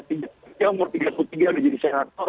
dia umur tiga puluh tiga udah jadi sehat